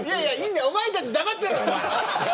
お前たち、黙ってろ。